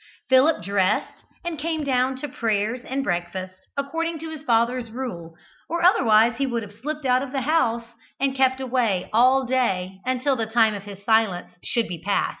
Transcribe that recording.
Philip dressed and came down to prayers and breakfast, according to his father's rule, or otherwise he would have slipped out of the house and kept away all day, until the time of his silence should be past.